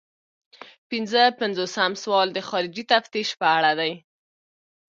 پنځه پنځوسم سوال د خارجي تفتیش په اړه دی.